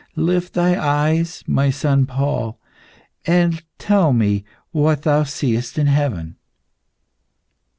Lift thy eyes, my son Paul, and tell me what thou seest in heaven."